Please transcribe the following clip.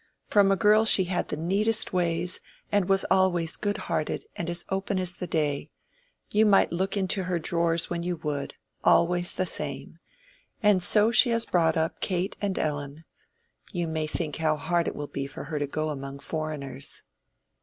From a girl she had the neatest ways, and was always good hearted, and as open as the day. You might look into her drawers when you would—always the same. And so she has brought up Kate and Ellen. You may think how hard it will be for her to go among foreigners."